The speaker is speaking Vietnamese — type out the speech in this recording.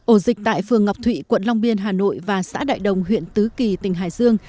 ổ dịch tại phường ngọc thụy quận long biên hà nội và xã đại đồng huyện tứ kỳ tỉnh hải dương